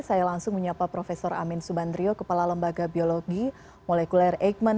saya langsung menyapa prof amin subandrio kepala lembaga biologi molekuler eijkman